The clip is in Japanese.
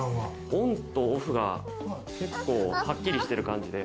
オンとオフが結構はっきりしてる感じで。